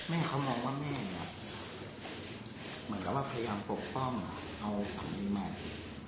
แม่เขามองว่าแม่เนี่ยเหมือนกับว่าพยายามปกป้องเอาสามีใหม่